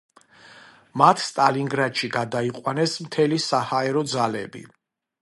მათ სტალინგრადში გადაიყვანეს მთელი საჰაერო ძალები.